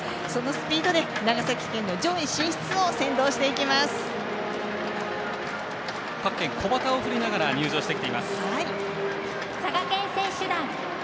そのスピードで長崎県の上位進出を各県、小旗を振りながら入場してきています。